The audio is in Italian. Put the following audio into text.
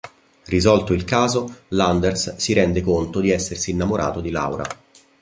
Risolto il caso, Landers si rende conto di essersi innamorato di Laura.